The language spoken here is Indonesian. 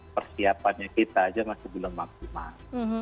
persiapannya kita aja masih belum maksimal